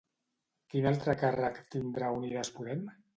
Quin altre càrrec tindrà Unides Podem?